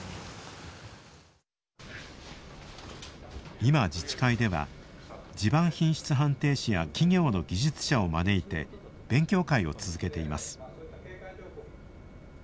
今自治会では地盤品質判定士や企業の技術者を招いて勉強会を続けています。